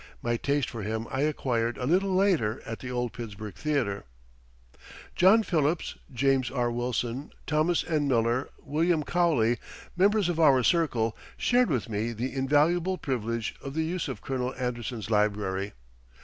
My taste for him I acquired a little later at the old Pittsburgh Theater. John Phipps, James R. Wilson, Thomas N. Miller, William Cowley members of our circle shared with me the invaluable privilege of the use of Colonel Anderson's library.